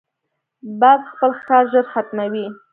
باز خپل ښکار ژر ختموي